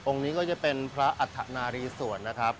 องค์นี้ก็จะเป็นพระอธนารีสวรรค์นะครับ